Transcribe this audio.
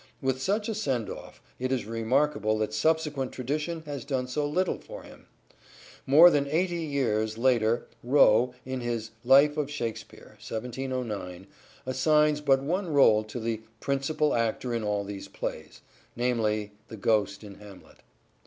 With such a send off, it is remarkable that subsequent tradition has done so little for him. More than eighty years later Rowe in his Life of Shakspere (1709) assigns but one role to the " principall actor in all these plays ": namely the Ghost in Hamlet.